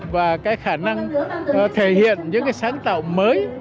và cái khả năng thể hiện những cái sáng tạo mới